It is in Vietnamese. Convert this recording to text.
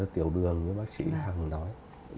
tiểu đường với bác sĩ thẳng nói